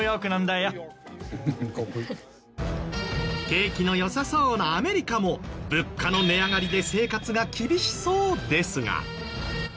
景気の良さそうなアメリカも物価の値上がりで生活が厳しそうですが。